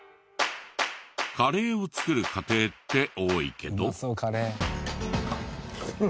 カレーを作る家庭って多いけど。